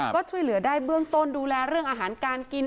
ก็ช่วยเหลือได้เบื้องต้นดูแลเรื่องอาหารการกิน